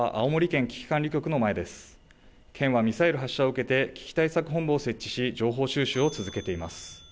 県はミサイル発射を受けて危機対策本部を設置し情報収集を続けています。